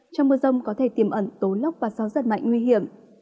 trong mưa rông có thể tiềm ẩn tố lóc và gió rất mạnh nguy hiểm